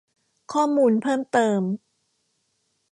ข้อมูลเพิ่มเติม